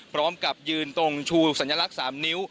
พร้อมกับยืนตรงชูสัญลักษณ์๓นิ้ว